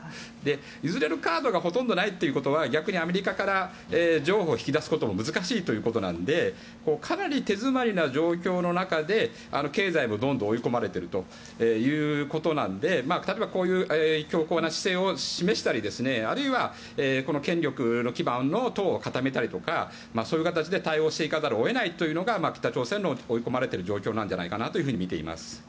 譲れるカードがほとんどないということは逆にアメリカから譲歩を引き出すことも難しいということなのでかなり手詰まりな状況の中で経済もどんどん追い込まれているということなので例えばこういう強硬な姿勢を示したりあるいは権力の基盤の党を固めたりとかそういう形で対応していかざるを得ないというのが北朝鮮の追い込まれている状況なんじゃないかなと見ています。